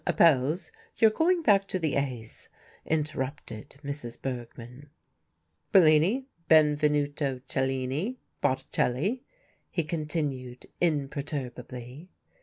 Apelles?" "You're going back to the A's," interrupted Mrs. Bergmann. "Bellini, Benvenuto Cellini, Botticelli?" he continued imperturbably.